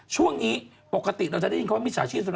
ช่วงนี้ปกติเราจะได้ยินคำว่ามิจฉาชีพ